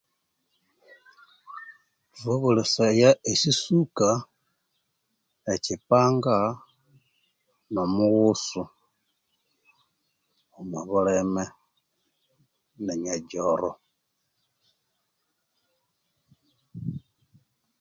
Thukakolesaya esisuka ekyipanga no mughusu no bulime ne nyajoro